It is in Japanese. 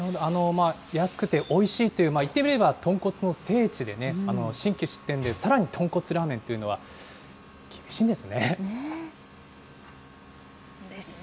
安くておいしいという、いってみれば豚骨の聖地でね、新規出店でさらに豚骨ラーメンというのは厳しいんですね。ですね。